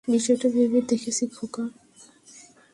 বিষয়টা ভেবে দেখেছি, খোকা।